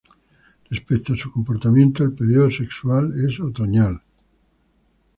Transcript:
Respecto a su comportamiento, el período sexual es otoñal.